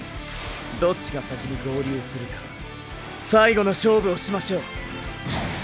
どっちが先に合流するか最後の勝負をしましょう！！